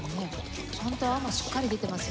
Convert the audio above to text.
ちゃんと泡もしっかり出てます。